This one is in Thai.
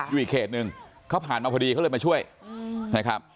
อยู่อีกเขตหนึ่งเขาผ่านมาพอดีเขาเลยมาช่วยนะครับ